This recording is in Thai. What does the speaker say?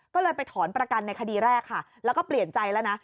ก็เลยไปถอนประกันในคดีแรกค่ะแล้วก็เปลี่ยนใจแล้วนะ